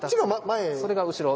それが後ろです。